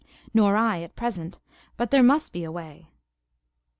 "Nor I, at present. But there must be a way."